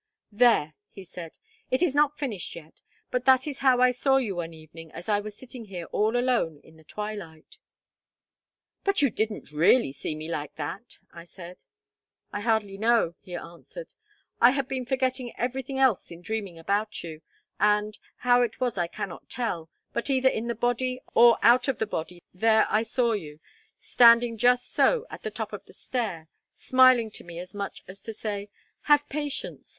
"There!" he said. "It is not finished yet, but that is how I saw you one evening as I was sitting here all alone in the twilight." "But you didn't really see me like that!" I said. "I hardly know," he answered. "I had been forgetting every thing else in dreaming about you, and how it was I cannot tell, but either in the body or out of the body there I saw you, standing just so at the top of the stair, smiling to me as much as to say, 'Have patience.